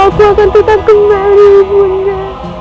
aku akan tetap kembali mulia